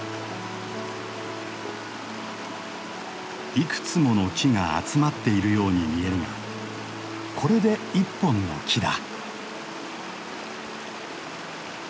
いくつもの木が集まっているように見えるがこれで一本の木だ。